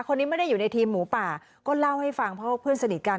คนนี้ไม่ได้อยู่ในทีมหมูป่าก็เล่าให้ฟังเพราะว่าเพื่อนสนิทกัน